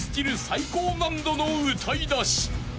最高難度の歌いだし］